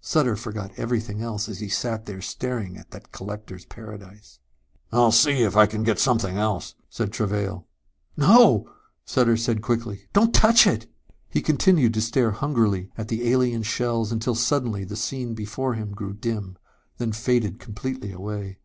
Sutter forgot everything else as he sat there staring at that collector's paradise. "I'll see if I can get something else," said Travail. "No!" said Sutter quickly. "Don't touch it!" He continued to stare hungrily at the alien shells until suddenly the scene before him grew dim, then faded completely away.